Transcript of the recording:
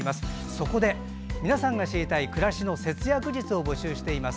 そこで、皆さんが知りたい暮らしの節約術を募集しています。